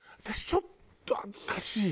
ちょっと恥ずかしい。